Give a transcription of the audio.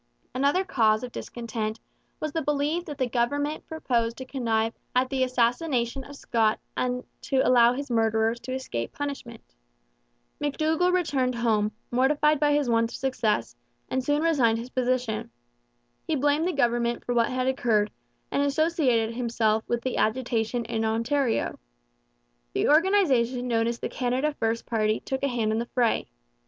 Another cause of discontent was the belief that the government proposed to connive at the assassination of Scott and to allow his murderers to escape punishment. McDougall returned home, mortified by his want of success, and soon resigned his position. He blamed the government for what had occurred, and associated himself with the agitation in Ontario. The organization known as the Canada First party took a hand in the fray.